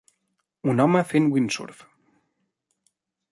Un home fent windsurf.